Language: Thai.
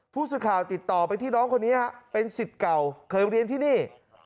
ผู้สื่อข่าวติดต่อไปที่น้องคนนี้ฮะเป็นสิทธิ์เก่าเคยเรียนที่นี่